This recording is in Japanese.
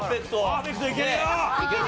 パーフェクトいけるよ！